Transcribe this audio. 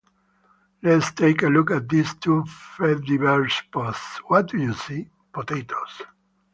Let's take a look at these two fediverse posts? What do you see? Potatoes